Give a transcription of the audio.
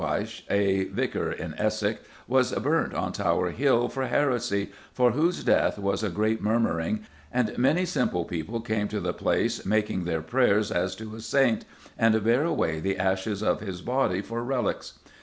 Wyche, a Vicar in Essex, was burnt on Tower Hill for heresy, for whose death was a great murmuring and many simple people came to the place making their prayers as to a saint and bare away the ashes of his body for reliques.